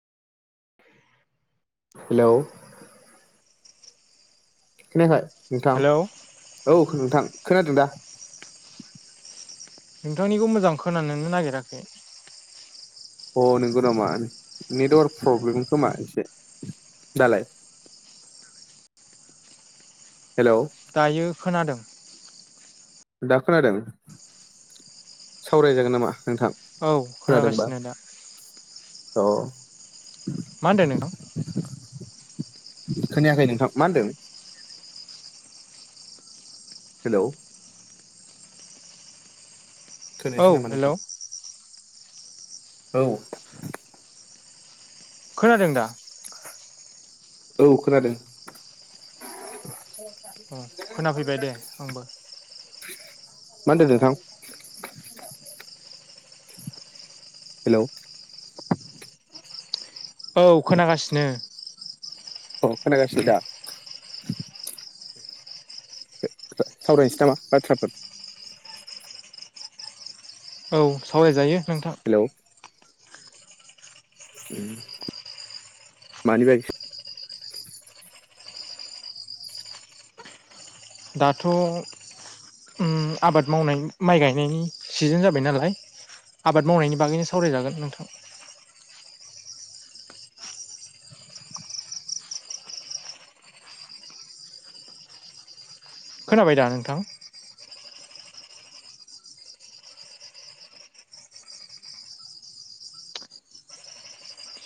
हेल' खोनायाखै नोंथां? हेलौ औ नोंथां खोनादों दा? नोंथांनिखौ मोजां खोनानोनो नागिराखै अ नंगौ नामा नेटवार्क प्रब्लेम खोमा एसे दालाय? [inaudible] दायो खोनादों। दा खोनादों? सावरायजागोन नामा? नोंथां औ खोनागासिनो दा। औ। मा होनदों नोंथां? खोनायाखै नोंथां मा होनदों? हेल' औ खोनायसै नामा हेलौ नोंथां? औ। खोनादों दा? औ खोनादों। औ खोनाफैबाय दे आंबो। मानदों नोंथां? हेल' औ खोनागासिनो। औ खोनागासिनो दा? [unintelligible] सावरायनोसै नामा बाथ्राफोर? औ सावरायजायो नोंथां। हेलौ उम मानि बागै दाथ' उम आबाद मावनायनि माइ गायनायनि सिजेन जाबाय नालाय आबाद मावनायनि बागैनो सावरायजागोन नोंथां। ज खोनाबाय दा नोंथां?